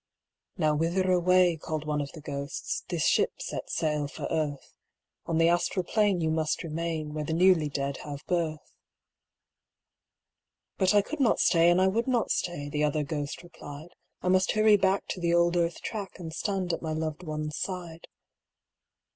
'Now whither away'—called one of the ghosts, 'This ship sets sail for Earth. On the astral plane you must remain, Where the newly dead have birth.' 'But I could not stay and I would not stay,' The other ghost replied; 'I must hurry back to the old Earth track And stand at my loved one's side.